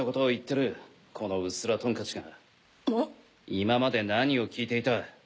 今まで何を聞いていた。